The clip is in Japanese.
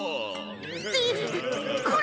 ってこら！